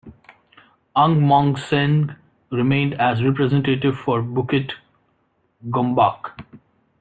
Ang Mong Seng remained as representative for Bukit Gombak.